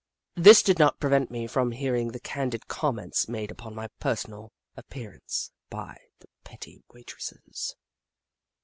This did not prevent me from hearing the candid comments made upon my personal appearance by the pretty waitresses.